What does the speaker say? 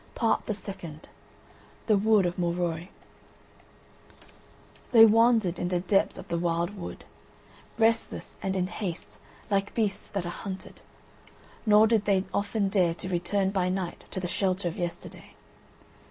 PART THE SECOND THE WOOD OF MOROIS They wandered in the depths of the wild wood, restless and in haste like beasts that are hunted, nor did they often dare to return by night to the shelter of yesterday.